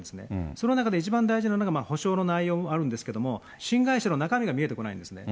その中で一番大事なのが、補償の内容もあるんですけれども、新会社の中身が見えてこないんですね。